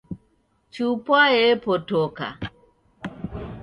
Chupwa yepotoka